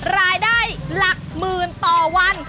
รายได้หลักหมื่นต่อวัน